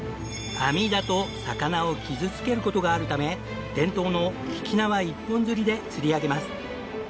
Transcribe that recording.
網だと魚を傷つける事があるため伝統の曳き縄一本釣りで釣り上げます。